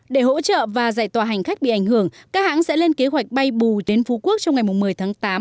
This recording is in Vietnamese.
để hỗ trợ và giải tỏa hành khách bị ảnh hưởng các hãng sẽ lên kế hoạch bay bù đến phú quốc trong ngày một mươi tháng tám